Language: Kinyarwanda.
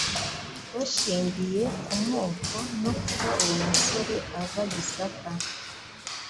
bashingiye ku moko no kuba uwo musore ava Gisaka